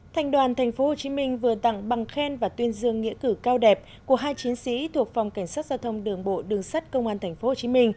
thành đoàn tp hcm vừa tặng bằng khen và tuyên dương nghĩa cử cao đẹp của hai chiến sĩ thuộc phòng cảnh sát giao thông đường bộ đường sắt công an tp hcm